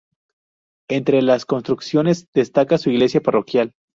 Entre las construcciones destaca su iglesia Parroquial.